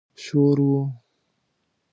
شور و.